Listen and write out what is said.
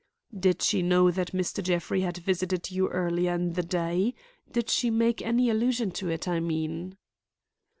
"Did she know that Mr. Jeffrey had visited you earlier in the day? Did she make any allusion to it, I mean?"